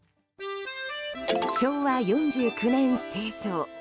昭和４９年製造。